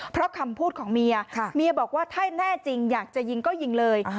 เพราะคำพูดของเมียเมียบอกว่าถ้าแน่จริงอยากจะยิงก็ยิงเลย